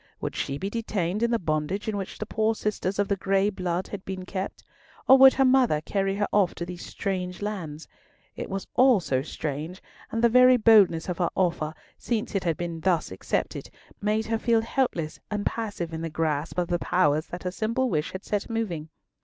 Would she be detained in the bondage in which the poor sisters of the Grey blood had been kept? Or would her mother carry her off to these strange lands?.... It was all strange, and the very boldness of her offer, since it had been thus accepted, made her feel helpless and passive in the grasp of the powers that her simple wish had set moving.